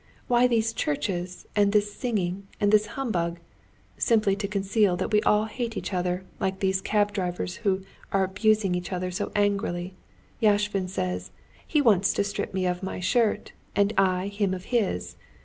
Why these churches and this singing and this humbug? Simply to conceal that we all hate each other like these cab drivers who are abusing each other so angrily. Yashvin says, 'He wants to strip me of my shirt, and I him of his.